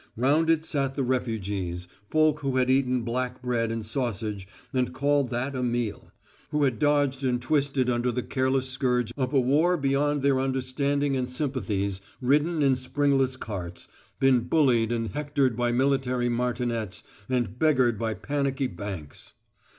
Round it sat the refugees folk who had eaten black bread and sausage and called that a meal; who had dodged and twisted under the careless scourge of a war beyond their understanding and sympathies, ridden in springless carts, been bullied and hectored by military martinets and beggared by panicky banks.